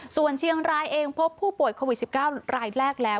ส่วนเชียงรายเองพบผู้ป่วยโควิด๑๙รายแรกแล้ว